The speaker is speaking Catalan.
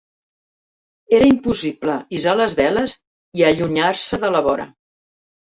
Era impossible hissar les veles i allunyar-se de la vora.